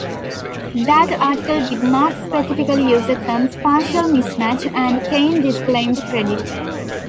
That article did not specifically use the term "spatial mismatch", and Kain disclaimed credit.